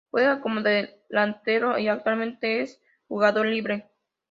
Juega como delantero y actualmente es jugador libre.